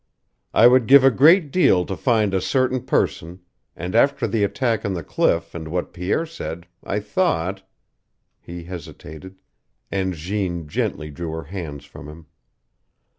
I would give a great deal to find a certain person, and after the attack on the cliff, and what Pierre said, I thought " He hesitated, and Jeanne gently drew her hands from him.